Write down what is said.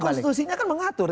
kan konstitusinya kan mengatur